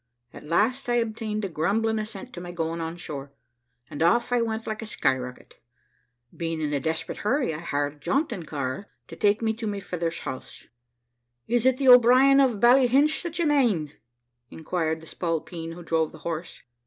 At last I obtained a grumbling assent to my going on shore, and off I went like a sky rocket. Being in a desperate hurry, I hired a jaunting car to take me to my father's house. `Is it the O'Brien of Ballyhinch that you mane?' inquired the spalpeen who drove the horse.